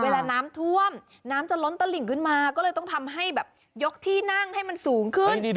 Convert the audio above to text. เวลาน้ำท่วมน้ำจะล้นตลิ่งขึ้นมาก็เลยต้องทำให้แบบยกที่นั่งให้มันสูงขึ้น